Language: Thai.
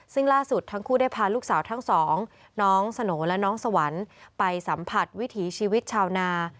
ซึ่งล่าสุดทั้งคู่ได้พาลูกสาวทั้งสองน้องสโหน่และน้องสวรรค์ไปสัมผัสวิถีชีวิตชาวนา